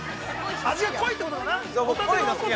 味が濃いってことだな。